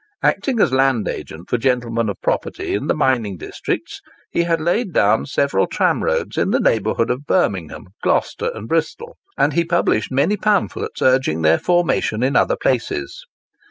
Acting as land agent for gentlemen of property in the mining districts, he had laid down several tramroads in the neighbourhood of Birmingham, Gloucester, and Bristol; and he published many pamphlets urging their formation in other places.